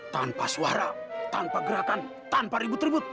tanpa suara tanpa gerakan tanpa ribut ribut